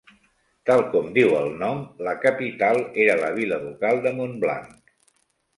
Tal com diu el nom, la capital era la vila ducal de Montblanc.